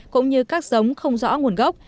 cũng như các giống không rõ